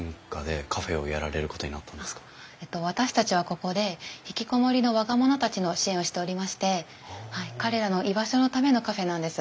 私たちはここで引きこもりの若者たちの支援をしておりまして彼らの居場所のためのカフェなんです。